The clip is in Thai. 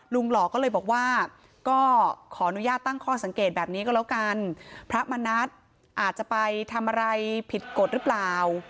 หล่อก็เลยบอกว่าก็ขออนุญาตตั้งข้อสังเกตแบบนี้ก็แล้วกันพระมณัฐอาจจะไปทำอะไรผิดกฎหรือเปล่า